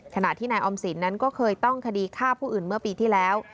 ขณะที่นายออมสินนั้นก็เคยต้องคดีฆ่าผู้อื่นเมื่อปีที่แล้ว